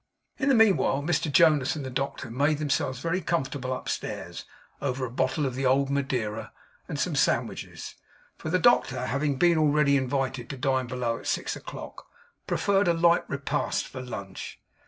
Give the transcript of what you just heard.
In the meanwhile, Mr Jonas and the doctor made themselves very comfortable upstairs, over a bottle of the old Madeira and some sandwiches; for the doctor having been already invited to dine below at six o'clock, preferred a light repast for lunch.